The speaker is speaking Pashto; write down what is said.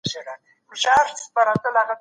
که ته نېک عمل ولرې نو ستا هیله به همېشه ژوندۍ وي.